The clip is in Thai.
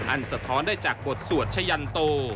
สะท้อนได้จากบทสวดชะยันโต